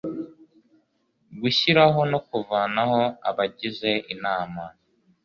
gushyiraho no kuvanaho abagize inama